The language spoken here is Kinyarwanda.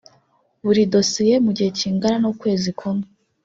buri dosiye mu gihe kingana n ukwezi kumwe